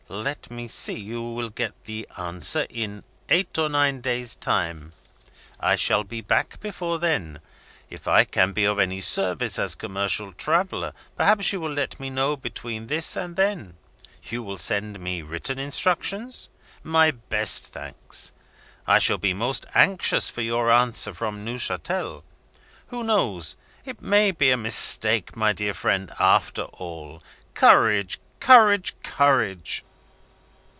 "Let me see. You will get the answer in eight or nine days' time. I shall be back before that. If I can be of any service, as commercial traveller, perhaps you will let me know between this and then. You will send me written instructions? My best thanks. I shall be most anxious for your answer from Neuchatel. Who knows? It may be a mistake, my dear friend, after all. Courage! courage! courage!"